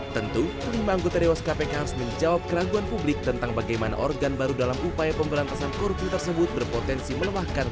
tentu kelima anggota dewas kpk harus menjawab keraguan publik tentang bagaimana organ baru dalam upaya pemberantasan korupsi tersebut berpotensi melemahkan kpk